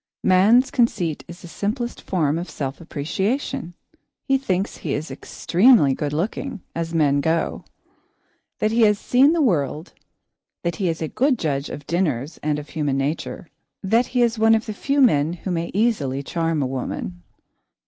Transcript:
Man's conceit is the simplest form of self appreciation. He thinks he is extremely good looking, as men go; that he has seen the world; that he is a good judge of dinners and of human nature; that he is one of the few men who may easily charm a woman.